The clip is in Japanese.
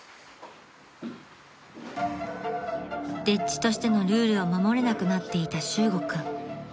［丁稚としてのルールを守れなくなっていた修悟君］